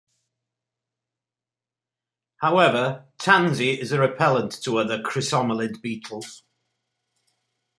However, tansy is a repellent to other Chrysomelid beetles.